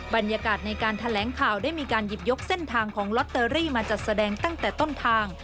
บรรยากาศในการแถลงข่าวได้มีการหยิบยกเส้นทางของลอตเตอรี่มาจัดแสดงตั้งแต่ต้นทาง